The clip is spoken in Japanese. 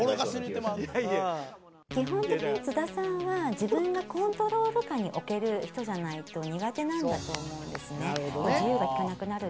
基本的に津田さんは自分がコントロール下に置ける人じゃないと苦手なんだと思うんですね。